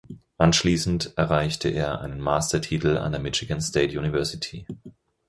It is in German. Anschließend erreichte er einen Master-Titel an der Michigan State University.